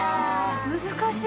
難しい。